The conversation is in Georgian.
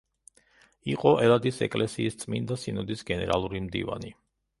იყო ელადის ეკლესიის წმინდა სინოდის გენერალური მდივანი.